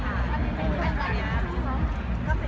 อยากรักก็ยกกก